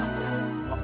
oh aku ingat